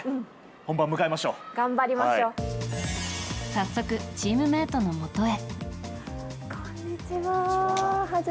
早速、チームメートのもとへ。